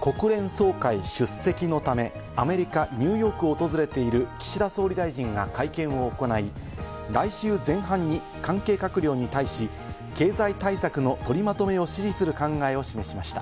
国連総会出席のため、アメリカ・ニューヨークを訪れている岸田総理大臣が会見を行い、来週前半に関係閣僚に対し、経済対策の取りまとめを指示する考えを示しました。